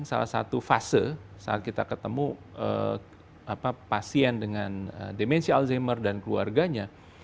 salah satu fase saat kita ketemu pasien dengan demensi alzheimer dan keluarganya